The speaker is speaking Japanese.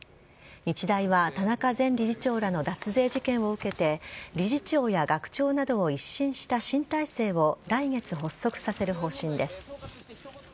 日大は田中前理事長らの脱税事件を受けて理事長や学長などを一新した新体制を来月発足させる方針です。